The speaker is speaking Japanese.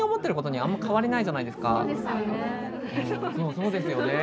そうですよね。